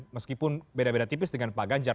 meskipun beda beda tipis dengan pak ganjar